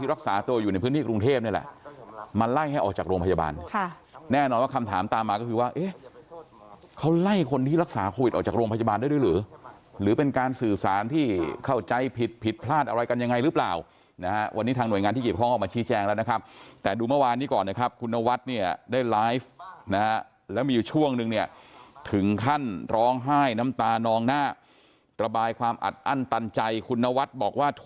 ออกจากโรงพยาบาลได้ด้วยหรือหรือเป็นการสื่อสารที่เข้าใจผิดผิดพลาดอะไรกันยังไงหรือเปล่านะฮะวันนี้ทางหน่วยงานที่เก็บข้องออกมาชี้แจงแล้วนะครับแต่ดูเมื่อวานนี้ก่อนนะครับคุณนวัสดิ์เนี่ยได้ไลฟ์นะฮะแล้วมีช่วงหนึ่งเนี่ยถึงขั้นร้องไห้น้ำตานองหน้าระบายความอัดอั้นตันใจคุณนวัสดิ์บอกว